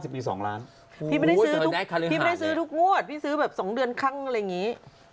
ตอนนี้พี่ซื้อแบบสองเดือนคั่งอะไรอย่างงี้